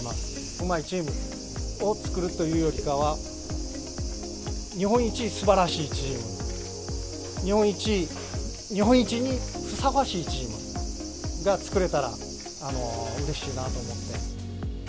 うまいチームを作るというよりかは、日本一すばらしいチーム、日本一にふさわしいチームが作れたらうれしいなと思って。